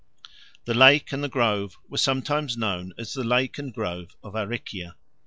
The lake and the grove were sometimes known as the lake and grove of Aricia.